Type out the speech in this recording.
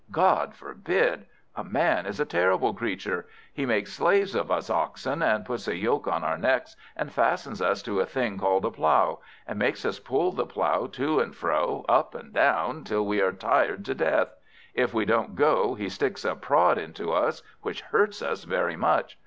God forbid. A Man is a terrible creature. He makes slaves of us Oxen, and puts a yoke on our necks and fastens us to a thing called a plough; and makes us pull the plough to and fro, up and down, till we are tired to death. If we won't go, he sticks a prod into us, which hurts us very much.